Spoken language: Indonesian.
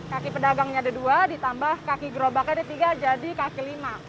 kaki pedagangnya ada dua ditambah kaki gerobaknya ada tiga jadi kaki lima